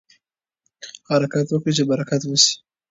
حرکت وکړئ چې برکت وشي.